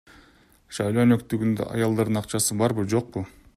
Шайлоо өнөктүгүндө аялдардын акчасы барбы, жокпу?